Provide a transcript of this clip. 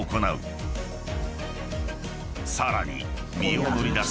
［さらに］